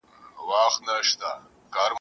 ړانده فال بین مي په تندي کي لمر کتلی نه دی ..